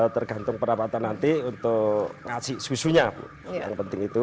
tergantung perawatan nanti untuk ngasih susunya yang penting itu